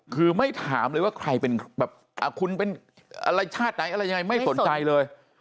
คือไม่ถามเลยว่าใครเป็นแบบคุณเป็นอะไรชาติไหนอะไรยังไงไม่สนใจเลย